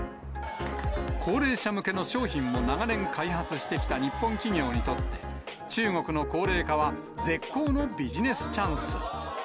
高齢者向けの商品を長年開発してきた日本企業にとって、中国の高齢化は絶好のビジネスチャンス。